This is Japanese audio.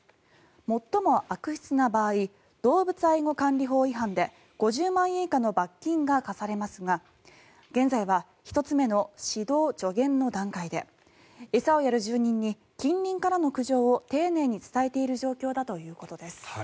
最も悪質な場合動物愛護管理法違反で５０万円以下の罰金が科されますが現在は１つ目の指導助言の段階で餌をやる住人に近隣からの苦情を丁寧に伝えている状況だということです。